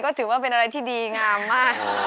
ก็ถือว่าเป็นอะไรที่ดีงามมาก